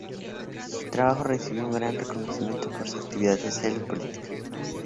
Su trabajo recibió un gran reconocimiento por su actividad social y política.